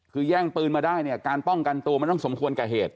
คือแย่งปืนมาได้เนี่ยการป้องกันตัวมันต้องสมควรกับเหตุ